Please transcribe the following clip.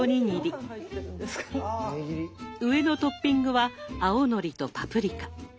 上のトッピングは青のりとパプリカ。